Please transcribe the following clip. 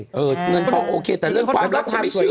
เงินทองโอเคแต่เรื่องความรักคงไม่เชื่อ